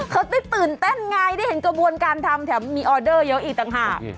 เขาได้ตื่นเต้นไงได้เห็นกระบวนการทำแถมมีออเดอร์เยอะอีกต่างหาก